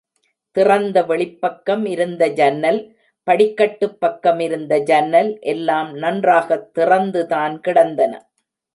திறந்த வெளிப்பக்கம் இருந்த ஜன்னல், படிக்கட்டுப் பக்கம் இருந்த ஜன்னல் எல்லாம் நன்றாகத் திறந்துதான் கிடந்தன.